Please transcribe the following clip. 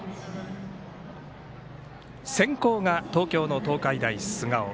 先攻が東京の東海大菅生。